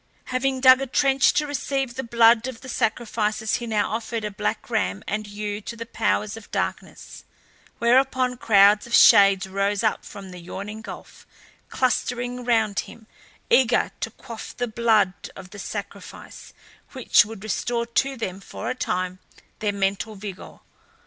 Having dug a trench to receive the blood of the sacrifices he now offered a black ram and ewe to the powers of darkness, whereupon crowds of shades rose up from the yawning gulf, clustering round him, eager to quaff the blood of the sacrifice, which would restore to them for a time their mental vigour.